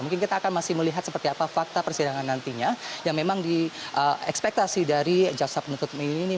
mungkin kita akan masih melihat seperti apa fakta persidangan nantinya yang memang di ekspektasi dari jaksa penuntut umum ini